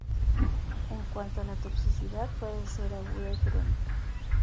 En cuanto a la toxicidad, puede ser aguda y crónica.